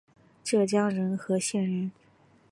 浙江仁和县人。